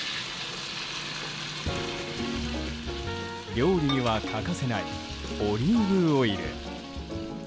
料理には欠かせないオリーブオイル。